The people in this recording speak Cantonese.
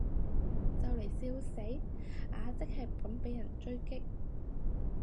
就嚟笑死，阿即係咁被人狙擊